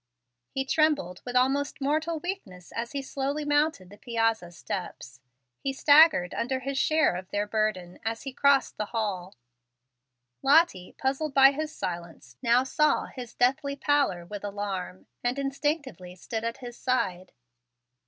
He trembled with almost mortal weakness as he slowly mounted the piazza steps. He staggered under his share of their burden as he crossed the hall. Lottie, puzzled by his silence, now saw his deathly pallor with alarm, and instinctively stood at his side.